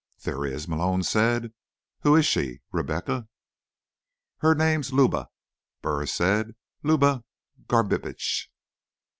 "There is?" Malone said. "Who is she? Rebecca?" "Her name's Luba," Burris said. "Luba Garbitsch."